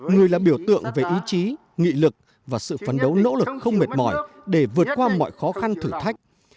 người là biểu tượng về ý chí nghị lực và sự phấn đấu nỗ lực không mệt mỏi để vượt qua mọi khó khăn thử thách